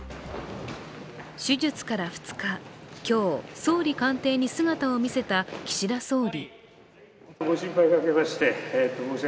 手術から２日、今日、総理官邸に姿を見せた岸田総理。